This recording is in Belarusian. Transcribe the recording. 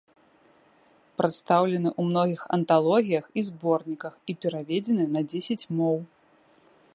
Прадстаўлены ў многіх анталогіях і зборніках і пераведзены на дзесяць моў.